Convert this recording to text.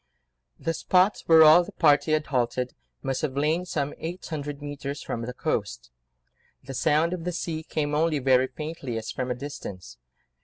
The spot where all the party had halted must have lain some eight hundred mètres from the coast; the sound of the sea came only very faintly, as from a distance.